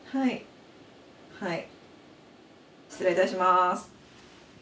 失礼いたします。